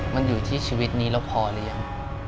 มันอยู่ที่ชีวิตนี้เราพอหรือยัง